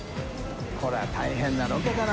これは大変なロケだな。